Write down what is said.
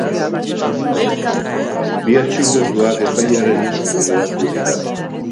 Bi atxilotuak epailearen esku geratu dira.